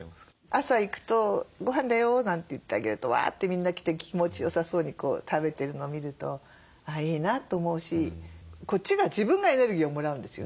朝行くと「ごはんだよ」なんて言ってあげるとわってみんな来て気持ちよさそうに食べてるのを見るとあいいなと思うしこっちが自分がエネルギーをもらうんですよね。